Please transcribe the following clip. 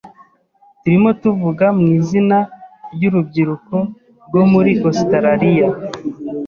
Turimo tuvuga mu izina ryurubyiruko rwo muri Ositaraliya.